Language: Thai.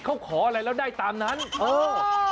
แล้วน้องคนนี้ก็เหมือนคนที่มาดูแล้วก็ขอเพลงอะไรแบบนี้